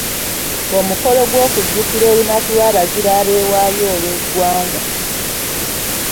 Omukolo gw’okujjukira olunaku lw’abazira abeewaayo olw’eggwanga.